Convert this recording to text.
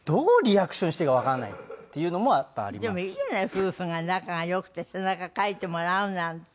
夫婦が仲が良くて背中かいてもらうなんて。